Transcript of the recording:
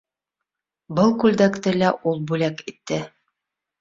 Был күлдәкте лә ул бүләк итте.